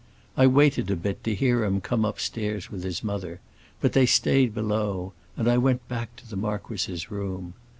I waited a bit, to hear him come upstairs with his mother, but they stayed below, and I went back to the marquis's room.